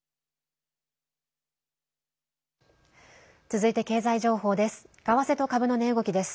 続いて経済情報です。